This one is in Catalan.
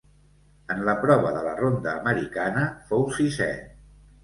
En la prova de la ronda americana fou sisè.